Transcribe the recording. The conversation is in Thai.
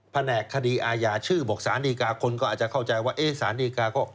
แหนกคดีอาญาชื่อบอกสารดีกาคนก็อาจจะเข้าใจว่าเอ๊ะสารดีกาก็